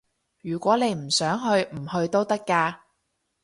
如果你唔想去，唔去都得㗎